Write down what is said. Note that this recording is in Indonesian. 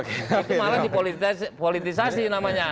itu malah dipolitisasi namanya